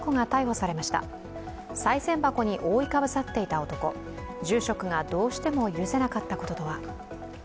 さい銭箱に覆いかぶさっていた男住職がどうしても許せなかったこととは。